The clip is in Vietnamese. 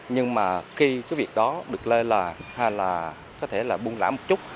nhưng mà khi cái việc đó được lơ là hay là có thể là buông lã một chút